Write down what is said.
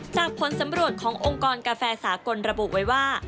ผลสำรวจขององค์กรกาแฟสากลระบุไว้ว่า